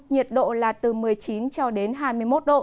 nhiệt độ là từ một mươi chín cho đến hai mươi một độ